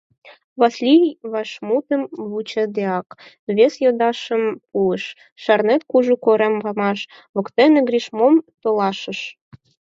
— Васлий, вашмутым вучыдеак, вес йодышым пуыш: — Шарнет, кужу корем памаш воктене Гриш мом толашыш?